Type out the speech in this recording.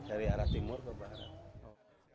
dari arah timur ke barat